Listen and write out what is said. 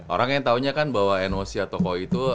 orang yang taunya kan bahwa emosi atau koi itu